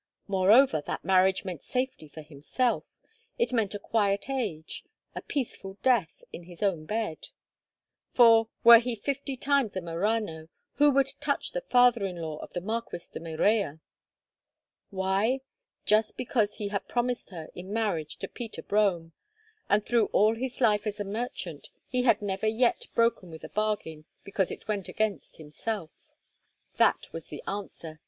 Moreover, that marriage meant safety for himself; it meant a quiet age, a peaceable death in his own bed—for, were he fifty times a Marano, who would touch the father in law of the Marquis de Morella? Why? Just because he had promised her in marriage to Peter Brome, and through all his life as a merchant he had never yet broken with a bargain because it went against himself. That was the answer.